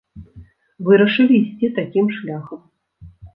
Вырашылі ісці такім шляхам.